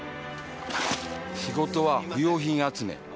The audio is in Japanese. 仕事は不用品集め。